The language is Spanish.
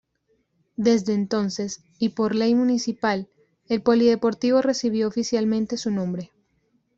Desde entonces, y por Ley Municipal, el polideportivo recibió oficialmente su nombre.